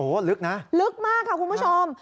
โอ๊ยลึกนะลึกมากครับคุณผู้ชม